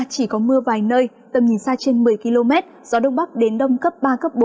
chỉ có mưa vài nơi tầm nhìn xa trên một mươi km gió đông bắc đến đông cấp ba cấp bốn